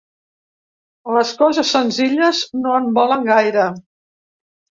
Les coses senzilles no en volen gaire.